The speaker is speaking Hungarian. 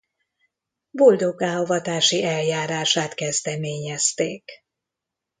Boldoggá avatási eljárását kezdeményezték.